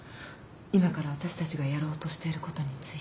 今から私たちがやろうとしていることについて。